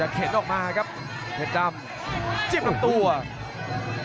อื้อหือจังหวะขวางแล้วพยายามจะเล่นงานด้วยซอกแต่วงใน